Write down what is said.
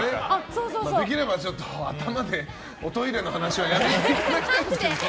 できればちょっと頭でおトイレの話はやめていただきたいんですが。